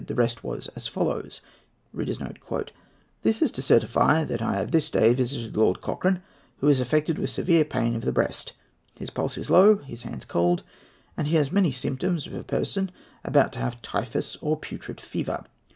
The rest was as follows: "This is to certify that I have this day visited Lord Cochrane, who is affected with severe pain of the breast. His pulse is low, his hands cold, and he has many symptoms of a person about to have typhus or putrid fever.